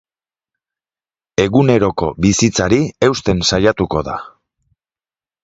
Eguneroko bizitzari eusten saiatuko da.